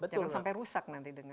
jangan sampai rusak nanti